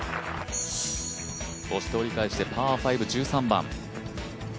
そして折り返してパー５、１３番。